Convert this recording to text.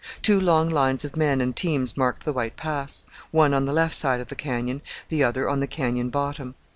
Two long lines of men and teams marked the White Pass, one on the left side of the canyon, the other on the canyon bottom.